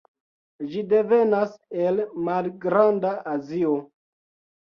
Ĝi devenas el Malgrand-Azio.